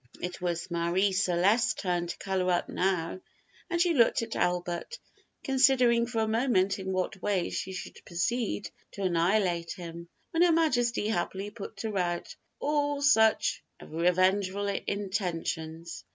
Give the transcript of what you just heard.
It was Marie Celeste's turn to color up now, and she looked at Albert, considering for a moment in what way she should proceed to annihilate him, when Her Majesty happily put to rout all such revengeful intentions.